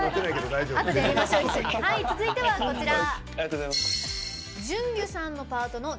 続いては、こちら。